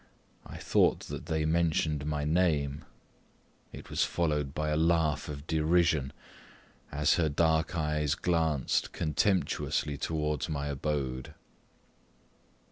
Methought that they mentioned my name it was followed by a laugh of derision, as her dark eyes glanced contemptuously towards my abode.